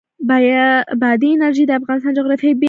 بادي انرژي د افغانستان د جغرافیې بېلګه ده.